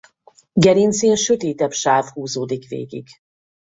Gerincén sötétebb sáv húzódik végig.